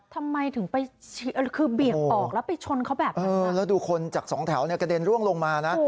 ทำไมถึงไปคือเบี่ยงออกแล้วไปชนเขาแบบนั้นแล้วดูคนจากสองแถวเนี่ยกระเด็นร่วงลงมานะ